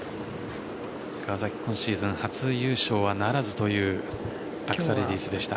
川崎、今シーズン初優勝はならずというアクサレディスでした。